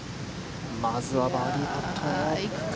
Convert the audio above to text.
まずはバーディーパットを。